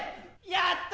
やった！